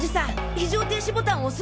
非常停止ボタン押す！？